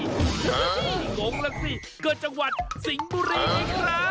หูหูโหลกสิเกิดจังหวัดสิงบุรีไอ้ครับ